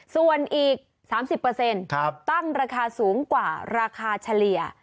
ส่วนอีก๓๐ตั้งราคาสูงกว่าราคาเฉลี่ย